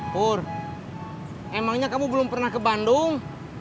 pur emangnya kamu belum pernah ke bandung